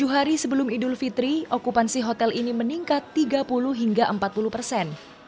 tujuh hari sebelum idul fitri okupansi hotel ini meningkat tiga puluh hingga empat puluh persen